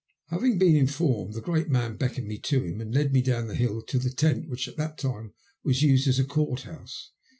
Having been informed, the great man beckoned me to him and led me down the hill to the tent, which at that time was used as a Court House.